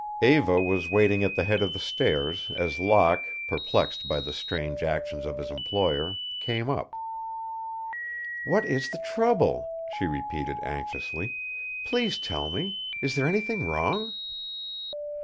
Eva was waiting at the head of the stairs as Locke, perplexed by the strange actions of his employer, came up. "What is the trouble?" she repeated, anxiously. "Please tell me. Is there anything wrong?"